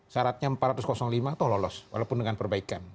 syaratnya empat ratus lima itu lolos walaupun dengan perbaikan